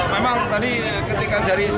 memang tadi ketika jari